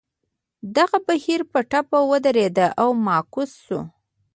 دغه بهیر په ټپه ودرېد او معکوس شو.